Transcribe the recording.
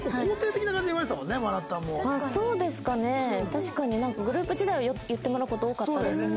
確かになんかグループ時代は言ってもらう事多かったですね。